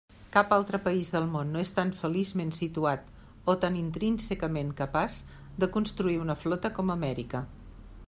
Cap altre país del món no és tan feliçment situat, o tan intrínsecament capaç de construir una flota com Amèrica.